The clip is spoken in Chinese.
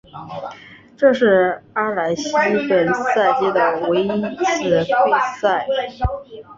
这是阿莱西本赛季的唯一一次退赛。